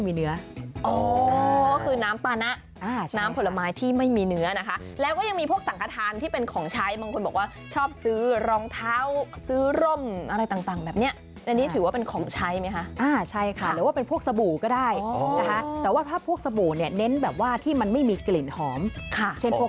ก็คือน้ำปานะน้ำผลไม้ที่ไม่มีเนื้อนะคะแล้วก็ยังมีพวกสังขทานที่เป็นของใช้บางคนบอกว่าชอบซื้อรองเท้าซื้อร่มอะไรต่างแบบนี้อันนี้ถือว่าเป็นของใช้ไหมคะอ่าใช่ค่ะหรือว่าเป็นพวกสบู่ก็ได้นะคะแต่ว่าถ้าพวกสบู่เนี่ยเน้นแบบว่าที่มันไม่มีกลิ่นหอมค่ะเช่นพวก